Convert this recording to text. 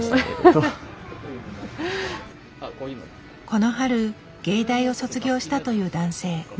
この春芸大を卒業したという男性。